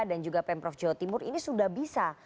dan juga pemprov jawa timur ini sudah bisa